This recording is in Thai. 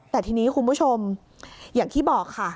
แต่ทีนี้คุณผู้ชมอย่างที่บอกค่ะ